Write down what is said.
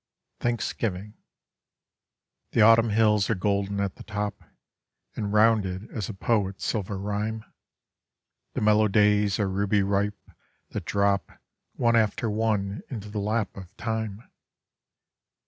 THANKSGIVING. The Autumn hills are golden at the top, And rounded as a poet's silver rhyme; The mellow days are ruby ripe, that drop One after one into the lap of time.